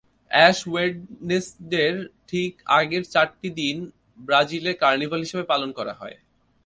Ash ওয়েডনেসডের ঠিক আগের চারটি দিন ব্রাজিলে কার্নিভ্যাল হিসেবে পালন করা হয়।